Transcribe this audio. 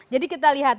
jadi kita lihat